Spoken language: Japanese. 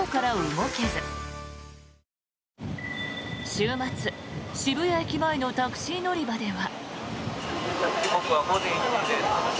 週末、渋谷駅前のタクシー乗り場では。